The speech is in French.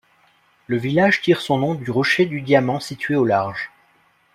Le village tire son nom du rocher du Diamant situé au large.